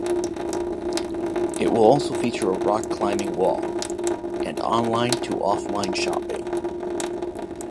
It will also feature a rock climbing wall, and online to offline shopping.